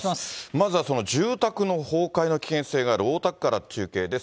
まずは住宅の崩壊の危険性がある大田区から中継です。